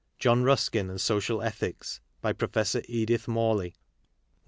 John Buskin and Social Ethics. By Prof. Edith Moeley. . 165.